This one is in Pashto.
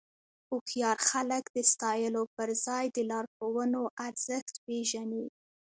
هوښیار خلک د ستایلو پر ځای د لارښوونو ارزښت پېژني.